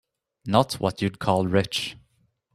Not what you'd call rich.